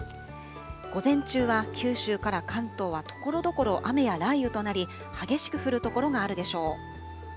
午前中は九州から関東はところどころ、雨や雷雨となり、激しく降る所があるでしょう。